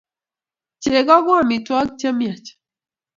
cheko ko amitwagik chemiach